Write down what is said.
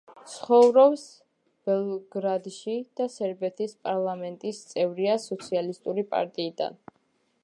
ცხოვრობს ბელგრადში და სერბეთის პარლამენტის წევრია სოციალისტური პარტიიდან.